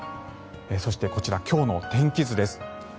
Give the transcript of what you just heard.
そして、こちら今日の天気図です。